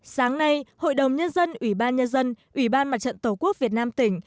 sáng nay hội đồng nhân dân ủy ban nhân dân ủy ban mặt trận tổ quốc việt nam tỉnh